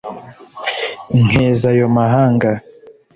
nkeza ayo mu gahanga